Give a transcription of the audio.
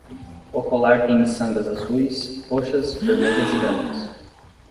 O colar tem miçangas azuis, roxas, vermelhas e brancas.